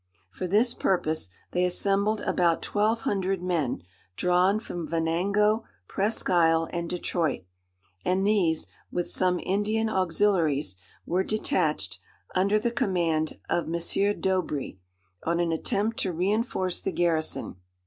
For this purpose, they assembled about twelve hundred men, drawn from Venango, Presque Isle, and Detroit; and these, with some Indian auxiliaries, were detached, under the command of M. d'Aubry, on an attempt to reinforce the garrison.